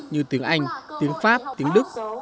như tiếng anh tiếng pháp tiếng đức